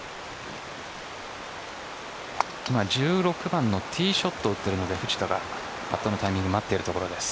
１６番のティーショットを打っている藤田がタイミングを待っているところです。